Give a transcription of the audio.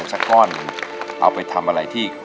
คุณจะกลับก็ได้อย่างนั้นสักครู่